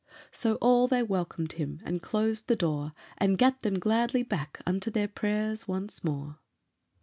So all they welcomed him and closed the door, And gat them gladly back unto their prayers once more.